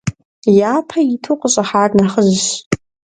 Япэ иту къыщӏыхьар нэхъыжьщ.